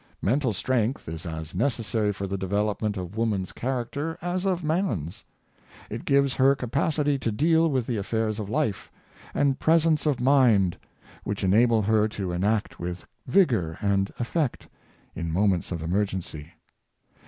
Mental strength is as necessary for the development of woman's charac ter as of man's. It gives her capacity to deal with the affairs of life, and presence of mind, which enable her to act with vigor and effect in moments of emergency.